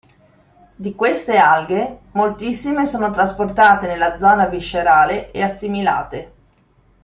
Di queste alghe, moltissime sono trasportate nella zona viscerale e assimilate.